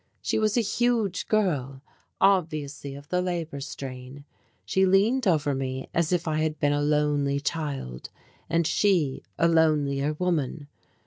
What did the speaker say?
She was a huge girl, obviously of the labour strain. She leaned over me as if I had been a lonely child and she a lonelier woman.